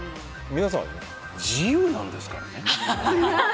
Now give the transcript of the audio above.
皆さん、自由なんですからね。